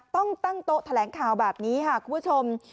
ต้องตั้งโต๊ะแถลงข่าวแบบนี้ค่ะคุณผู้ชม